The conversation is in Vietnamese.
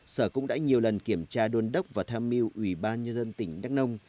sở cũng đã nhiều lần kiểm tra đôn đốc và tham mưu ủy ban nhân dân tỉnh đắk nông